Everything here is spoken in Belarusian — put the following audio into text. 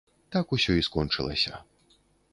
Так усё і скончылася.